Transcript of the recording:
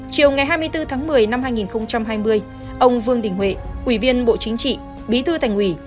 chiều ngày hai mươi bốn tháng một mươi năm hai nghìn hai mươi ông vương đình huệ ủy viên bộ chính trị bí thư thành ủy